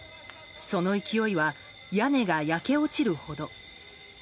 その勢いは屋根が焼け落ちるほど。